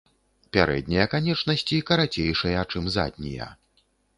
Пярэднія канечнасці карацейшыя чым заднія.